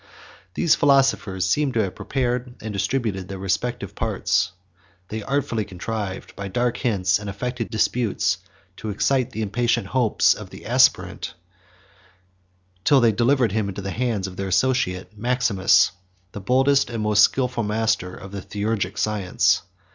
These philosophers seem to have prepared and distributed their respective parts; and they artfully contrived, by dark hints and affected disputes, to excite the impatient hopes of the aspirant, till they delivered him into the hands of their associate, Maximus, the boldest and most skilful master of the Theurgic science.